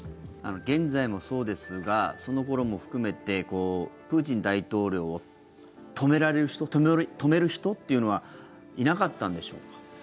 現在もそうですがその頃も含めてプーチン大統領を止められる人止める人というのはいなかったんでしょうか。